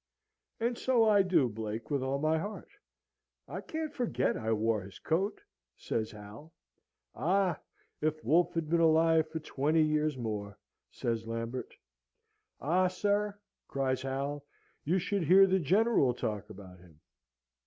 "And so I do, Blake, with all my heart; I can't forget I wore his coat," says Hal. "Ah, if Wolfe had been alive for twenty years more!" says Lambert. "Ah, sir," cries Hal, "you should hear the General talk about him!"